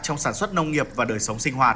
trong sản xuất nông nghiệp và đời sống sinh hoạt